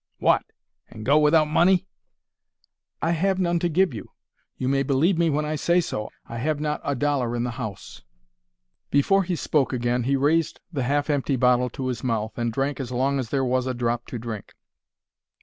"What, and go without money!" "I have none to give you. You may believe me when I say so. I have not a dollar in the house." Before he spoke again he raised the half empty bottle to his mouth, and drank as long as there was a drop to drink.